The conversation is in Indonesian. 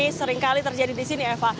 ini seringkali terjadi di sini eva